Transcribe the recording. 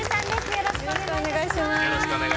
よろしくお願いします。